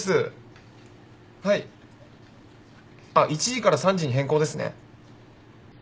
あっ１時から３時に変更ですね。